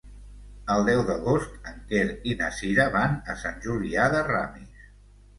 El deu d'agost en Quer i na Sira van a Sant Julià de Ramis.